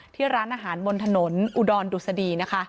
ที่ร้านอาหารบนถนนอุดรดุษฎีนะคะ